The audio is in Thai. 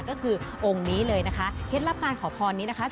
ก็คือองค์นี้เลยนะคะเคล็ดลับการขอพรนี้นะคะ